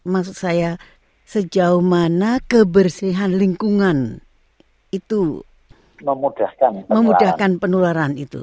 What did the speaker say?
maksud saya sejauh mana kebersihan lingkungan itu memudahkan penularan itu